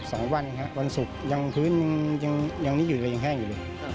๒วันครับวันศุกร์ยังพื้นอยู่ยังแห้งอยู่เลย